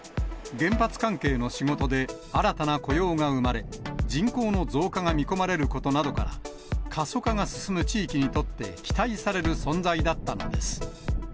原発関係の仕事で新たな雇用が生まれ、人口の増加が見込まれることなどから、過疎化が進む地域にとって期待される存在だったのです。